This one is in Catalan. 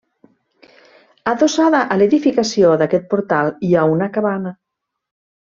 Adossada a l'edificació d'aquest portal hi ha una cabana.